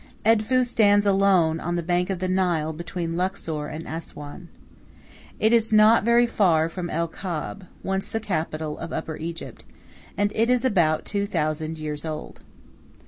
Edfu stands alone on the bank of the Nile between Luxor and Assuan. It is not very far from El Kab, once the capital of Upper Egypt, and it is about two thousand years old.